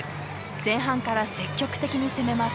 前半から積極的に攻めます。